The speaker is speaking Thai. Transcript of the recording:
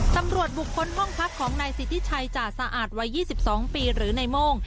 ตำรวจบุคคลห้องพักของนายสิทธิชัยจ่าสะอาดวัย๒๒ปีหรือในโม่ง